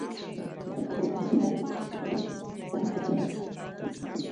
而凤宝钗则为他买来了连衣裙。